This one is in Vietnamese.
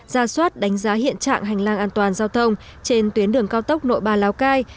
ra soát đánh giá hiện trạng hành lang an toàn giao thông trên tuyến đường cao tốc nội bài lào cai